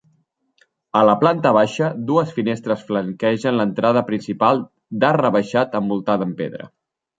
A la planta baixa, dues finestres flanquegen l’entrada principal, d’arc rebaixat envoltada en pedra.